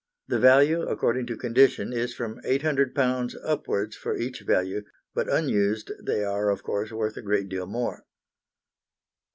The value, according to condition, is from £800 upwards for each value, but unused they are of course worth a great deal more.